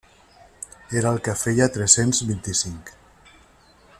Era el que feia tres-cents vint-i-cinc.